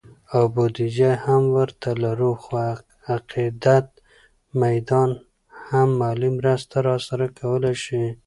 او بودیجه هم ورته لرو، خو عقیدت مندان هم مالي مرسته راسره کولی شي